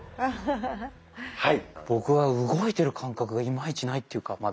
僕は動いてる感覚がいまいちないっていうかまだ。